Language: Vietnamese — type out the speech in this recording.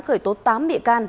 khởi tố tám bịa can